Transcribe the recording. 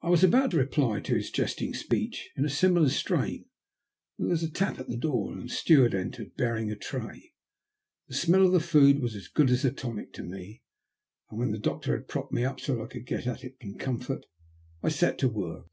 I was about to reply to his jesting speech in a similar strain when there was a tap at the door, and a steward entered bearing a tray. The smell of the food was as good as a tonic to me, and when the doctor had propped me up so that I could get at it in comfort, I set to work.